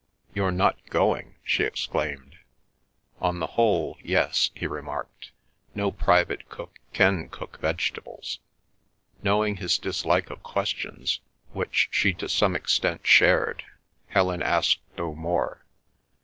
"You're not going?" she exclaimed. "On the whole—yes," he remarked. "No private cook can cook vegetables." Knowing his dislike of questions, which she to some extent shared, Helen asked no more.